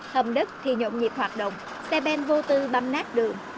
hầm đất thì nhộn nhịp hoạt động xe ben vô tư băm nát đường